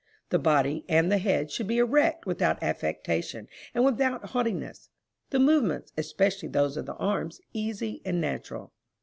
The body and the head should be erect without affectation and without haughtiness; the movements, especially those of the arms, easy and natural.